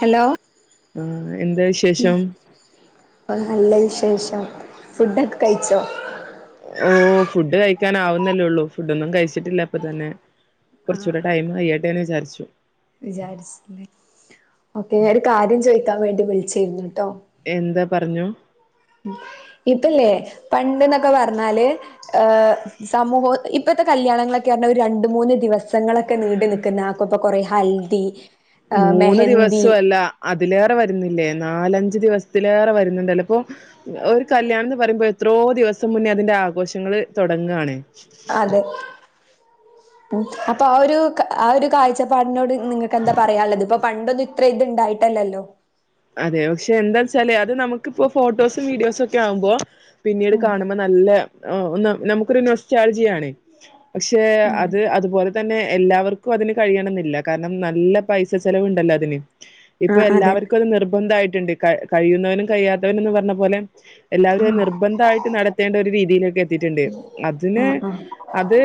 Hello ആ എന്താ വിശേഷം? അ നല്ല വിശേഷം ഫുഡൊക്കെ കഴിച്ചോ? ഓ ഫുഡ് കഴിക്കൻ ആവുന്നല്ലേള്ളൂ ഫുഡൊന്നും കഴിച്ചിട്ടില്ല പ്പൊ തന്നെ. കുറച്ചുകൂടെ ടൈം കയ്യട്ടേന്ന് വിചാരിച്ചു. വിചാരിച്ചേ ഓക്കേ ഞാൻ ഒരു കാര്യം ചോദിക്കാൻ വേണ്ടി വിളിചേരുന്നുട്ടോ. എന്താ പറഞ്ഞോ. ഇപ്പല്ലേ പണ്ട് എന്നൊക്കെ പറഞ്ഞാല് ഏഹ് സമൂഹ ഇപ്പഴത്തെ കല്യാണങ്ങളൊക്കെ പറഞ്ഞ ഒരു രണ്ട് മൂന്ന് ദിവസങ്ങളൊക്കെ നീണ്ട് നിൽക്കുന്ന ആക്ക ഇപ്പൊ കൊറെ ഹൽദി. ആഹ് മൂന്ന് മെഹന്തി ദിവസും അല്ല. അതിലേറെ വരുന്നില്ലേ നാലഞ്ച ദിവസത്തിലേറെ വരുന്നുണ്ട്ല്ലപ്പോ ഒരു കല്യാണം എന്ന് പറയുമ്പോ. എത്രോ ദിവസം മുന്നേ അതിന്റെ ആഘോഷങ്ങൾ തുടങ്ങാണ്. അതെ ഉ അപ്പൊ ആ ഒരു ആ ഒരു കാഴ്ചപ്പാടിനോട് നിങ്ങൾക്ക് എന്താ പറയാള്ളത് ഇപ്പൊ പണ്ടൊന്നും ഇത്ര ഇത്ണ്ടായിട്ടല്ലല്ലോ. അതെ പക്ഷെ എന്താ വെച്ചാല് അത് നമുക്കിപ്പോ ഫോട്ടോസും വീഡിയോസൊക്കെ ആവുമ്പോ പിന്നീട് ഉം കാണുമ്പോ നല്ല നമുക്കൊരു നൊസ്റ്റാൾജിയ ആണ് പക്ഷെ ആഹ് അത് അതുപോലെ. തന്നെ എല്ലാവർക്കും അതിന് കഴിയണന്നില്ല കാരണം നല്ല പൈസ ചെലവുണ്ടല്ലോ അതിന്. ഇപ്പൊ ആഹ് അതെ എല്ലാവർക്കും അത് നിർബന്ധയിട്ടുണ്ട് കഴിയുന്നവനും കഴിയാത്തവനന്ന് പറഞ്ഞ പോലെ. എല്ലാവരും നിർബന്ധ ആയിട്ട് നടത്തേണ്ട ഒരു രീതിയിലൊക്കെ എത്തിയിട്ടുണ്ട് അതിന്. ആഹ് ആഹ് അത്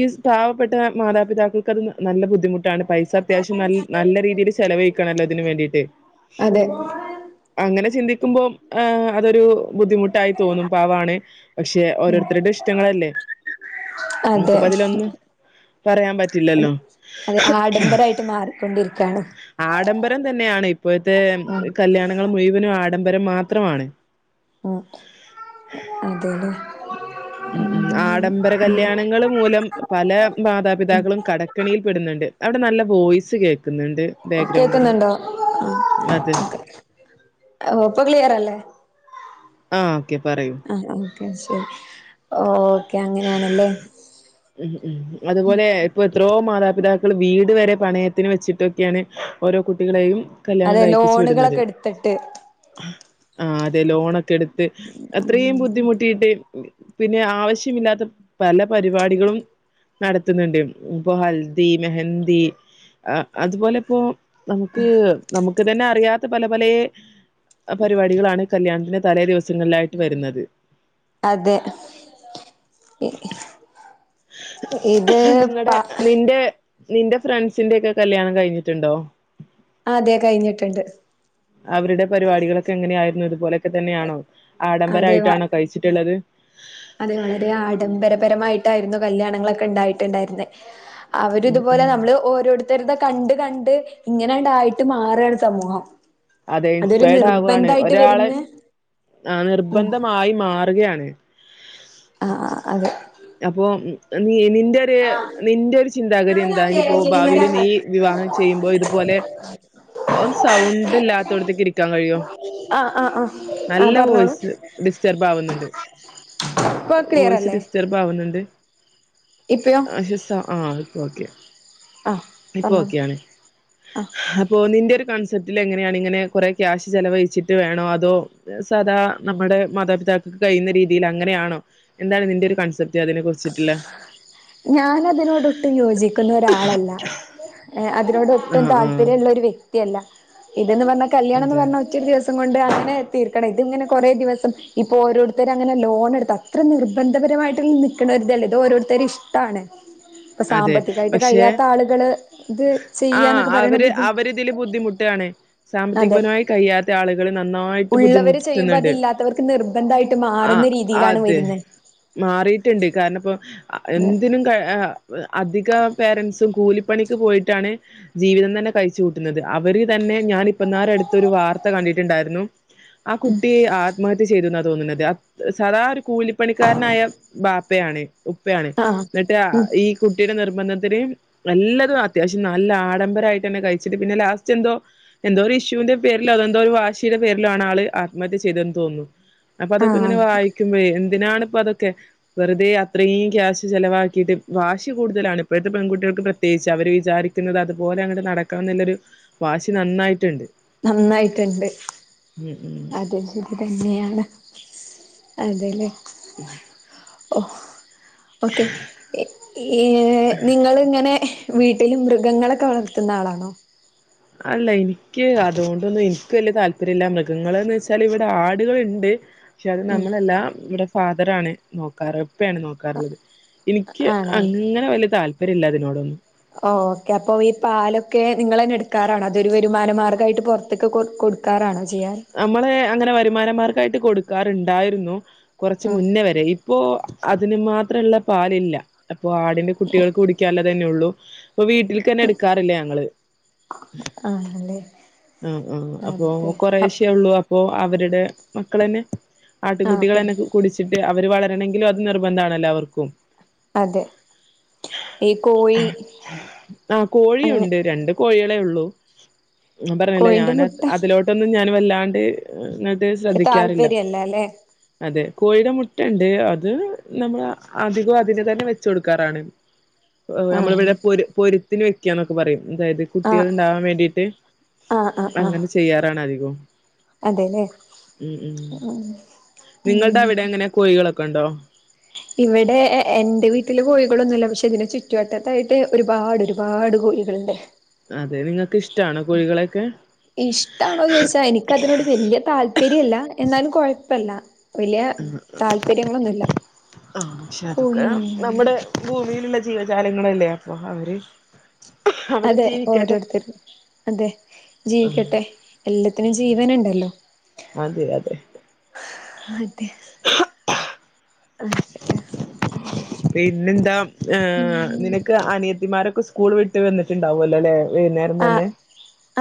ഈ പാവപ്പെട്ട മാതാപിതാക്കൾക്ക് അത് നല്ല ബുദ്ധിമുട്ടാണ്. പൈസ അത്യാവശ്യം നൽ നല്ല രീതില് ചെലവയ്ക്കണല്ലോ ഇതിന് വേണ്ടീട്ട് അതെ അങ്ങനെ ചിന്തിക്ക്മ്പോ അതൊരു ബുദ്ധിമുട്ടായി തോന്നും പാവാണ് പക്ഷെ ഓരോര്ത്തര്ടെ ഇഷ്ട്ടങ്ങളല്ലേ [inaudible] നമ്മക്ക്പ്പതിലൊന്ന് പറയാൻ പറ്റില്ലല്ലോ അതെ ആഡംബരായിട്ട് മാറിക്കൊണ്ടിരിക്കാണ് ആഡംബരം തന്നെയാണ് ഇപ്പൊഴ്ത്തെ ഉം കല്യാണങ്ങള് മുഴുവനും ആഡംബരം മാത്രമാണ് ആ അതെല്ലോ ഉം ആഡംബര ഉം കല്യാണങ്ങൾ മൂലം പല മാതാപിതാക്കളും കടക്കളീൽ പെട്ന്ന്ണ്ട് അവടെ നല്ല വോയിസ് കേക്ക്ന്ന്ണ്ട് കേക്ക്ന്ന്ണ്ടോ? അതെ ഇപ്പോ ക്ലിയറല്ലേ? ആ ഓക്കെ പറയൂ. ആ ഓക്കെ ശരി. ഓക്കെ അങ്ങനാണല്ലേ. ഉം ഉം അത്പോലെ ഇപ്പൊ എത്രയോ മാതാപിതാക്കള് വീട് വരെ പണയത്തിന് വെച്ചിട്ടൊക്കെണ്, ഓരോ കുട്ടികളെയും കല്യാണം അതെ കഴ്പ്പിച്ച് വിട്ന്നത്. ലോണുകളൊക്കെ എടുത്തിട്ട് ആഹ് അതെ ലോണൊക്കെ എട്ത്ത്. അത്രേം ബുദ്ധിമുട്ടീട്ട് പിന്നെ ആവശ്യമില്ലാത്ത പല പരിപാടികളും നടത്ത്ന്ന്ണ്ട്, ഇപ്പൊ ഹൽദി മെഹന്തി അത്പോലെ ഇപ്പൊ നമുക്ക് നമുക്ക് തന്നെ അറിയാത്ത പല പലേ പരിപാടികളാണ് കല്യാണത്തിന്റെ തലേ ദിവസ സങ്ങളിലായിട്ട് വര്ന്നത്. അതെ. ഇത് പാ ന്റെ നിന്റെ ഫ്രണ്ട്സിന്റെക്കെ കല്യാണം കഴിഞ്ഞ്ട്ട്ണ്ടോ? അതെ കയ്ഞ്ഞട്ട്ണ്ട്. അവര്ടെ പരിപാടികളൊക്കെ എങ്ങനെ ആയിരുന്നു. ഇത് പോലെക്കെ തന്നെയാണോ, അതെ വ ആഡംബരായിട്ടാണോ കഴ്ച്ച്ട്ട്ള്ളത്? അതെ വളരെ ആഡംബരപരമായിട്ടായിര്ന്നു കല്യാണങ്ങളക്കെ ഇണ്ടായിട്ട്ണ്ടായിര്ന്നെ. അവര് ഉം ഇത്പോലെ ഉം നമ്മള് ഓരോര്ത്തര്ടെ കണ്ട് കണ്ട് ഇങ്ങനെണ്ടായിട്ട് മാറാണ് സമൂഹം. അതെ അതൊരു ഇൻസ്പയർഡ് ആവാണ്. നിർബന്ധായിട്ട് ഒരാള് വരുന്ന് ആ നിർബന്ധമായും മാറ് കയാണ്. ആഹ് ആ അതെ. അപ്പൊ നീ നിന്റെ ഒര് നിന്റെ ഒര് ചിന്താഗതി ആഹ് എന്താ ഇനിയിപ്പോ ഭാവില് നീ വിവാഹം ചെയ്യ്മ്പോ ഇത്പോലെ ഒന്ന് സൗണ്ട് ഇല്ലാത്തോട്ത്ത്ക്ക് ഇരിക്കാൻ കഴിയോ? ആഹ് ആഹ് ആഹ് നല്ല പറഞ്ഞോളൂ. വോയിസ് ഡിസ്റ്റർബ് ആവ്ന്ന്ണ്ട്. ഇപ്പോ ക്ലിയറല്ലേ? ഡിസ്റ്റർബാവുന്ന്ണ്ട്. ഇപ്പഴോ? [unintelligible] ആ ഇപ്പ ഓക്കെ, ആഹ് ഇപ്പ പറഞ്ഞോളൂ. ഓക്കെയാണ്. അപ്പൊ നിന്റെ ഒര് കൺസെപ്പ്റ്റിൽ എങ്ങനെയാണ്, ഇങ്ങനെ കൊറെ ക്യാഷ് ചെലവഴിച്ചിട്ട് വേണോ അതോ സാധാ നമ്മടെ മാതാപിതാക്കക്ക് കയ്യ്ന്ന രീതിയില് അങ്ങനെയാണോ, എന്താണ് നിന്റെ ഒര് കൺസെപ് റ്റ് അതിനെ കുറിച്ചിട്ട്ള്ള. ഞാന് അതിനോട് ഒട്ടും യോജിക്കുന്ന ഒരാളല്ലാ. ഏഹ് അതിനോട് ഒട്ടും ആഹ് ആഹ് താല്പര്യള്ള ഒര് വ്യക്തിയല്ല. ഇതന്ന് പറഞ്ഞ കല്യാണംന്ന് അതെ പറഞ്ഞ ഒറ്റ ഒരു ദിവസ കൊണ്ട് അങ്ങനെ തീർക്കണം. ഇത് ഇങ്ങനെ കൊറെ ദിവസം ഇപ്പൊ ഓരോര്ത്തര അങ്ങനെ ലോണ് ഇട്ത്ത ഇത്ര നിർബന്ധപരമായിട്ട് നിക്ക്ണോരുതല്ലേ ഇത് ഓരോര്ത്തര ഇഷ്ട്ടാണ്. ഇപ്പൊ അതെ സാമ്പത്തികായിട്ട് പക്ഷെ കയ്യാത്ത ആള്കള് ഇത് ആഹ് ചെയ്യാന്നക്കെ പറയ്ണ് അവര് ബുദ്ധി അവരിതില് ബുദ്ധിമുട്ടാണ് അതെ സാമ്പത്തികപരമായി കയ്യാ ത്ത ആള്കള് നന്നായിട്ട് ഉള്ളവര് ചെയ്യുമ്പോ ബുദ്ധിമുട്ട്ന്ന്ണ്ട്. അതില്ലാത്തവർക്ക് നിർബന്ധായിട്ട് ആഹ് മാറുന്ന രീതിയിലാണ് അത് വരുന്നെ. മാറിട്ട്ണ്ട്. കാരണം ഇപ്പ എന്തിനും ക അ അധിക പേരൻസും കൂലിപ്പണിക്ക് പോയിട്ടാണ് ജീവിതം തന്നെ കഴിച്ച് കൂട്ടുന്നത്. അവര് തന്നെ ഞാന് ഇപ്പന്നാരെ അടുത്ത് ഒരു വാർത്ത കണ്ടിട്ടുണ്ടായിരുന്നു ആ കുട്ടി ആത്മ ഹത്യ ചെയ്തുന്നാ തോന്നുന്നത്. സാദാ ഒരു കൂലിപ്പണിക്കാരനായ ബാപ്പയാണ്. ഉപ്പയാണ് ആഹ് ന്നട്ട് ഉം ഈ കുട്ടിയുടെ നിർബന്ധത്തിന് നല്ലതും അത്യാവശ്യം നല്ല ആഡംബരായിട്ടന്നെ കഴിച്ചിട്ട് പിന്നെ ലാസ്റ്റ് എന്തോ എന്തോരു ഇഷ്യുവിന്റെ പേരിലോ അതെന്തോ ഒരു വാശിയുടെ പേരിലോ ആണ് ആള് ആത്മഹത്യ ചെയ്തെന്ന് തോന്നുന്നു അപ്പ ആഹ് അതൊക്കെങ്ങനെ അത് വായി ക്കുമ്പളെ എന്തിനാണ് ഇപ്പ അതൊക്കെ വെറുതെ അത്രീം ക്യാശ് ചെലവാക്കിട്ട് വാശി കൂടുതലാണ് ഇപ്പഴത്തെ പെൺകുട്ടിയാൾക്ക് പ്രത്യേകിച്ച് അവർ വിചാരിക്കുന്നത് അതുപോലെ അങ്ങട്ട് നടക്കണംന്നില്ലൊരു വാശി നന്നായിട്ട്ണ്ട് നന്നായിട്ടുണ്ട് ഉം അതെ ഹും തന്നെയാണ് അതെ ലെ [unintelligible] ഓ ഓക്കെ ഏ നിങ്ങള് ഇങ്ങനെ വീട്ടിലും മൃഗങ്ങളൊക്കെ വളർത്തുന്ന ആളാണോ അല്ലേ ഇൻക്ക് അതുകൊണ്ടൊന്നും ഇൻക്ക് വലിയ താല്പര്യം ഇല്ല മൃഗങ്ങള് ന്ന് വെച്ചാൽ ഇവിടെ ആടുകളുണ്ട് പക്ഷേ അത് ഉം നമ്മളെല്ലാം ഇവിടെ ഫാദറാണ് ആണ് നോക്കാറ് ഇപ്പേണ് നോക്ക ക്ക [unintelligible] ഇനിക്ക് ആണേ അങ്ങനെ വല്യ താല്പര്യം ഇല്ല ഇതിനോടൊന്നും ഓ ഓക്കെ അപ്പോ ഈ പാലൊക്കെ നിങ്ങൾ തന്നെ എടുക്കാറാണോ അതൊരു വരുമാന മാർഗായിട്ട് പൊർത്ത്ക്ക്‌ കൊ കൊടു ക്കാറാണോ ചെയ്യാറ് നമ്മള് അങ്ങനെ വരുമാനമാർക്കായിട്ട് കൊടുക്കാറുണ്ടായിരുന്നു കൊറച്ച് ഉം മുന്നേ വരെ ഇ ഇപ്പോ അതിന് മാത്രം ള്ള പാലില്ല അപ്പോ ആടിന്റെ കുട്ടികൾക്ക് കുടിക്കാൻ ഇല്ലതന്നെ ഒള്ളൂ ഇപ്പോ വീട്ടിൽക്കന്നെ എടുക്കാറില്ല ഞങ്ങൾ ആഹ് ആണല്ലേ ആഹ് ആഹ് അപ്പോ അതെ കൊറെശെ ഒള്ളു അപ്പോ അവരുടെ മക്കളന്നെ ആ കുടി ആട്ടിൻകുട്ടികളന്നെ കുടിച്ചിട്ട് അവര് വളരണങ്കിലും അത് നിർബന്ധമാണല്ലോ അവർക്കും അതെ ഈ കോഴി ആഹ് അങ്ങ കോഴിയുണ്ട് രണ്ട് കോഴികളെ ഉള്ളൂ ഞാൻ പറഞ്ഞില്ലേ കോഴിന്റെ ഞാൻ മുട്ട അതിലോട്ടൊന്നും ഞാൻ വല്ലാണ്ട് ന്നട്ട് ശ്രദ്ധിക്കാറില്ല താല്പര്യല്ല അല്ലേ അതെ കോഴിയുടെ മുട്ടണ്ട് അത് നമ്മൾ അധികം അതിനെ തന്നെ വെച്ച് കൊടുക്കാറാണ് [unintelligible] നമ്മള് ഇവിടെ ആണല്ലേ പൊര് പൊരുത്തിന് വെക്ക്യന്നൊക്കെ പറയും അതായത് ആ കുട്ടികൾ ഉണ്ടാവാൻ വേണ്ടിയിട്ട് ആ ആ ആ അങ്ങനെ ചെയ്യാറാണ് അധികം അതെല്ലേ ഉ ഉ നിങ്ങൾടെ അങ്ങനെ അവിടെ എങ്ങനെ കോഴികളൊക്കെ ഉണ്ടോ ഇവിടെ എ എന്റെ വീട്ടില് കോഴികളൊന്നുമല്ല പക്ഷേ ഇതിന്റെ ചുറ്റുവട്ടത്തായിട്ട് ഒരുപാട് ഒരുപാട് കോഴികളുണ്ട് അതെ നിങ്ങൾക്ക് ഇഷ്ടാണോ കോഴികളെയൊക്കെ ഇഷ്ടാണോ ചോദിച്ചാ എനിക്കതിനോട് വല്യ താല് പ്പര്യം ഇല്ല എന്നാലും കൊഴപ്പമില്ല വലിയ താല്പര്യങ്ങളൊന്നുല്ല ആഹ്പക്ഷേ കോഴി അതൊക്കെ നമ്മുടെ ഭൂമിയിലുള്ള ജീവജാലങ്ങളല്ലേ അപ്പോ അവര് അവരും അതെ ജീവിക്കട്ടെ ഓരോരുത്തരും അതെ ആഹ് ജീവിക്കട്ടെ എല്ലത്തിനും ജീവനുണ്ടല്ലോ അതെ അതെ അതെ [unintelligible] അതെ അതെ പിന്നെന്താ ഏ ഉം നിനക്ക് അനിയത്തിമാരൊക്കെ സ് സ്കൂൾ വിട്ട് വന്നിട്ടണ്ടാവോലല്ലോ വൈന്നാരം തന്നെ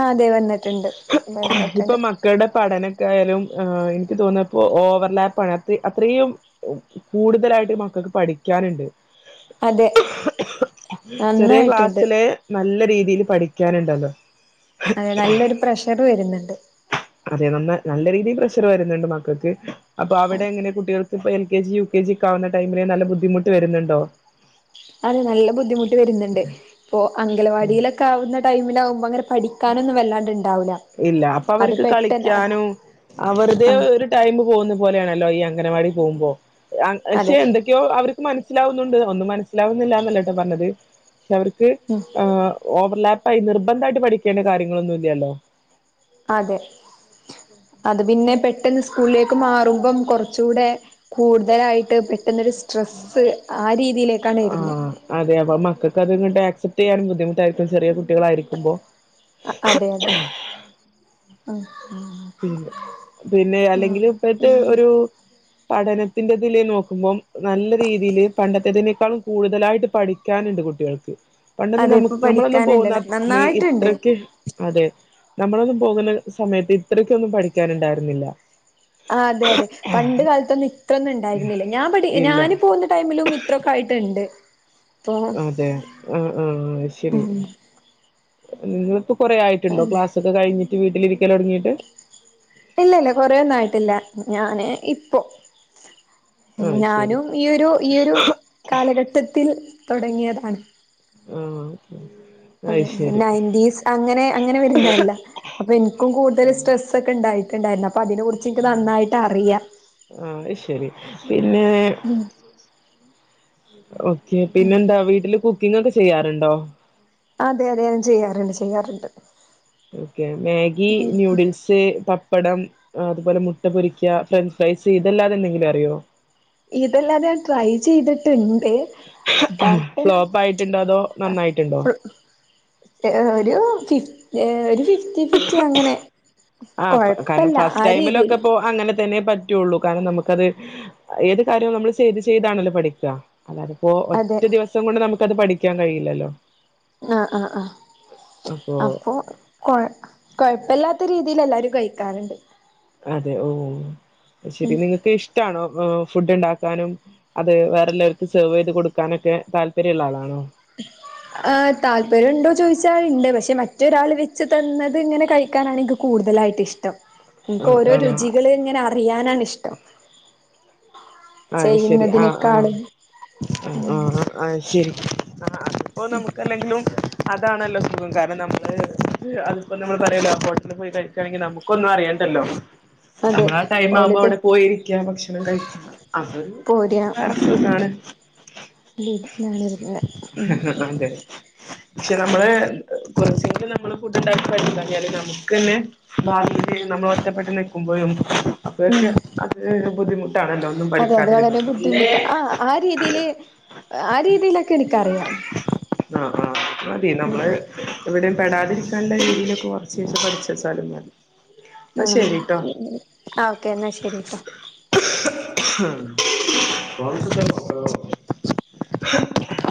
ആഹ് അതെ വന്നിട്ടുണ്ട് വന്നിട്ടുണ്ട് ഇപ്പം മ മക്കളുടെ പഠനക്കായാലും ് എനിക്ക് തോന്നിയപ്പോ ഓവർലാപ്പാണ് അ അത്രയും കൂടുതലായിട്ട് മക്കൾക്ക് പഠിക്കാനുണ്ട് അതെ ചെറിയ നന്നായിട്ടുണ്ട് ക്ലാസ്സിലെ നല്ല രീതിൽ പഠിക്കാനുണ്ടല്ലോ അതെ നല്ലൊരു പ്രഷർ വരുന്നുണ്ട് അതെ നമ്മ നല്ല രീതിയിൽ പ്രഷർ വരുന്നുണ്ട് മക്കൾക്ക് അപ്പൊ അവിടെ എങ്ങനെ കുട്ടികൾക്ക് ഇപ്പൊ L K G U K G ആവുന്ന ടൈമില് നല്ല ബുദ്ധിമുട്ട് വരുന്നുണ്ടോ അതെ നല്ല ബുദ്ധിമുട്ട് വരുന്നുണ്ട് ഇപ്പൊ അംഗലവാടിയിലൊക്കെ ആവുന്ന ടൈമിലാകുമ്പോ അങ്ങനെ പഠിക്കാനൊന്നും വല്ലാണ്ട്ണ്ടാവില്ല ഇല്ല അപ്പൊ അവർക്ക് കളിക്കാനും വറതെ ആഹ് ഒരു ടൈം പോകുന്ന പോലെയണല്ലോ ഈ അംഗനവാടി പോകുമ്പോ പക്ഷെ അതെ എന്തൊക്ക ക്ക്യോ അവർക്ക് മനസ്സിലാവുന്നുണ്ട് ഒന്നും മനസ്സിലാവുന്നില്ല എന്നല്ലാട്ടോ പറഞ്ഞത് പക്ഷെ അവർക്ക് ഉം ആഹ് ഓവർലാപ്പായി നിർബന്ധയിട്ട് പഠിക്കേണ്ട കാര്യങ്ങളൊന്നും ഇല്ലല്ലോ അതെ അത് പിന്നെ പെട്ടെന്ന് സ്കൂളിലേക്ക് മാറുമ്പം കുറച്ചുടെ കൂടുതലായിട്ട് പെട്ടുന്നരു സ്ട്രെസ്സ് ആ രീതിയിലേക്കാണ് ആ വരുന്നത് അതെ അപ്പോ മക്കക്കത് ഇങ്ങ് ആക്സെ്റ്റ് ചെയ്യാന ബുദ്ധിമുട്ടായിരിക്കും ചെറീയ കു ട്ടികളായിരിക്കുമ്പോ അതെ അതെ [unintelligible] പിന്നെ പിന്നെ ആഹ് അല്ലെങ്കിൽ ഇപ്പഴത്തെ ഒരു പഠനത്തിന്റതിൽ നോക്കുമ്പോം നല്ല രീതിൽ പണ്ടത്തെതിനേക്കാളും കൂടുതലായിട്ട് പഠിക്ക ാനണ്ട് കുട്ടികൾക്ക് പണ്ടെന്ന് അതെ നമ്മ ഇപ്പൊ നമ്മളൊന്നും പഠിക്കാനുണ്ട് പോവുന്നന്ന് നന്നായിട്ടുണ്ട് ഇത്രക്ക് അതെ നമ്മളൊന്നും പോകുന്ന സമയത്ത് ഇത്രക്കൊന്നും പഠിക്കാനുണ്ടായിരുന്നില്ല ആഹ് അതെ അതെ പണ്ട് കാലത്തൊന്നും ഇത്രൊന്നും ഉണ്ടായിരുന്നില്ല ഞാൻ പഠ ഇല്ല ഞാന് പോകുന്ന ടൈമിലും ഇത്രൊക്കൊയിട്ടുണ്ട് അതെ ആഹ് ആഹ് ആഹ് ശരി ഉം നിങ്ങക്ക് കൊറ ആയിട്ടുണ്ടോ അതെ ക്ലാസ് ക്കെ കഴിഞ്ഞട്ട് വീട്ടിലിരിക്കൻ തുടങ്ങിട്ട് ഇല്ല ഇല്ല കൊറേ ഒന്നും ആയിട്ടില്ല ഞാന് ഇപ്പോൊ ആ ശരി ഞാനും ഈയരു ഒരു ഈയൊഒരു കാലഘട്ടത്തിൽ തുടങ്ങിയതാണ് ആഹ് അതെ നയൻന്റീസ് അങ്ങനെ അങ്ങനെ വരുന്നല്ല അപ്പൊ എനിക്കും കൂടുതൽ സ്ട്രെസ്സ് ഒക്കെ ഉണ്ടായിട്ടുണ്ടായിരുന്നു അപ്പൊ അതിനെ കുറിച്ച് എനിക്ക് നന്നായിട്ട് അറിയാ ആഹ് അയ്ശരി പിന്നെ ഉം ഓക്കെ പിന്നെന്താ വീട്ടില് കുക്കിങ് ഒക്കെ ചെയ്യാറുണ്ടോ അതെ അതെ ഞാൻ ചെയ്യാറുണ്ട് ചെയ്യാറുണ്ട് ഓക്കെ മാഗി ഉം ഉം ന്യൂഡിൽസ് പപ്പടം അതുപോലെ മുട്ട പൊരിക്ക ഫ്രഞ്ച് ഫ്രൈസ് ഇതെല്ലാതെ എന്തെങ്കിലും അറിയോ ഇതെല്ലാതെ ഞാൻ ട്രൈ ചെയ്തിട്ടുണ്ട് ബട്ട് ഫ്ലോപ്പ് ആയിട്ടുണ്ടോ അതോ നന്നായിട്ടുണ്ടോ? ആഹ് ഒരു ഫിഫ് ഒരു ഫിഫ്റ്റി ഫിഫ്റ്റി അങ്ങനെ ആഹ് കാരണം കൊഴപ്പല്ല ഫസ്റ്റ് ആ ടൈമിലൊക്കെ രീതിയില് പോ അങ്ങനെ തന്നെ പ പറ്റുള്ളൂ കാരണം നമുക്കത് ഏത് കാര്യവും നമ്മൾ ചെയ്ത് ചെയ്താണല്ലോ പഠിക്കുക അല്ലാതിപ്പോ അതെ ഒറ്റ ദിവസം കൊണ്ട് നമുക്ക്ത് പഠിക്കാൻ കഴിയില്ലല്ലോ ആഹ് ആഹ് ആഹ് അപ്പോ അപ്പോൾ കൊ കുഴപ്പല്ലാത്ത രീതിയിൽ എല്ലാരും കഴിക്കാറുണ്ട് അതെ ഓഹ് ശെരി നിങ്ങക്ക് ഇഷ്ടമാണോ അപ്പൊ ഫുഡ് ഉണ്ടാക്കാനും അത് വേറെല്ലാവർക്ക് സെർവ് ചെയ്ത് കൊടുക്കാനൊക്കെ താല്പര്യള്ള ആളാണോ? [unintelligible] താല്പര്യം ഉണ്ടോ ചോദിച്ചാഇണ്ട് പക്ഷെ മറ്റൊരാള് വെച്ച് തന്നത് ഇങ്ങനെ കഴിക്കാനാണ് എനിക്ക് കൂടുതലായിട്ട് ഇഷ്ടം. ട്ടം ആ ഇന്ക്ക് ഓരോ ആ രുചികള് ഇങ്ങനെ അറിയാനാണിഷ്ടം. അയ് ശരി ആഹ്, ആഹ്, ആ, ആ ആ ശരി ആ അപ്പോൾ നമുക്കല്ലെങ്കിലും അതാണല്ലോ സുഖം കാരണം നമ്മള്. അതിപ്പോ നമ്മള് പറയല്ലോ ഹോട്ടൽ പോയി കഴിക്കാണെങ്കി നമുക്കൊന്നും അറിയണ്ടല്ലോ. അതെ നമ്മളാ ടൈം ആവുമ്പോ ഓലത് അവിടെ പോയിരിക്ക ഭക്ഷണം കഴിക്ക. അതൊരു പോരാ വേറന്നാണ്. വീട്ടിലാണ് ഇരുന്നെ ഉം [unintelligible] പക്ഷെ നമ്മള് കുറച്ചെങ്കിലും നമ്മള് ഫുഡ്‌ ഇണ്ടാക്കി കഴിച്ചാല് നമുക്ക് തന്നെ. ഭാവിയില് നമ്മളൊറ്റപ്പെട്ട് നിക്കുമ്പോഴും. ഉം അപ്പഴക്കെ അത് ഒരു ബുദ്ധിമുട്ടാണല്ലോ ഒന്നും പഠി അത് അതെ വളരെ ബുദ്ധിമുട്ട. ആ, ആ രീതില് ആ രീതിലൊക്കെ എനിക്കറിയാം. ആഹ്, ആഹ് മതി നമ്മൾ. ഉം എവിടെയും പെടാതിരിക്കാനുള്ള രീതിയിലൊക്കെ കൊർചേച്ച പഠിചെച്ചാലും മതി. എന്നാ ആഹ് ശരിട്ടോ ആ ഓക്കെ എന്നാ ശരിപ്പ. [unintelligible]